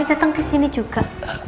datang ke sini juga